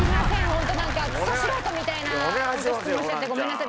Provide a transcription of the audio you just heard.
ホントなんかクソ素人みたいな事質問しちゃってごめんなさい。